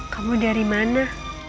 kamu dari mana